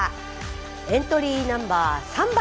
エントリーナンバー３番。